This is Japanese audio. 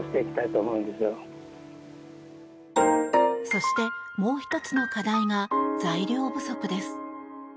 そして、もう１つの課題が材料不足です。